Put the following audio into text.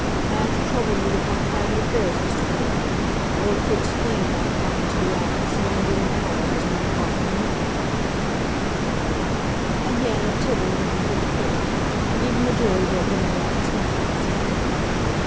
I have to trouble you with my private affairs, Mr. Coroner, in order to explain why I happened to be out at so undue an hour as one o'clock in the morning—" Again a titter ran through the court. Even the jury broke into broad smiles.